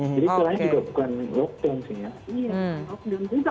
jadi itu lainnya juga bukan lockdown sih ya